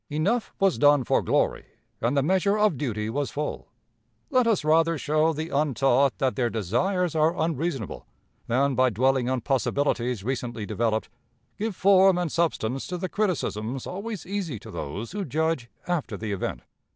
Enough was done for glory, and the measure of duty was full; let us rather show the untaught that their desires are unreasonable, than, by dwelling on possibilities recently developed, give form and substance to the criticisms always easy to those who judge after the event.